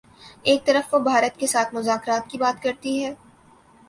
ایک طرف وہ بھارت کے ساتھ مذاکرات کی بات کرتی ہے۔